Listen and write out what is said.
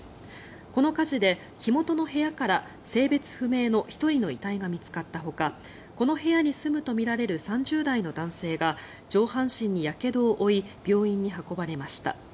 この火事で火元の部屋から性別不明の１人の遺体が見つかったほかこの部屋に住むとみられる３０代の男性が上半身にやけどを負い病院に運ばれました。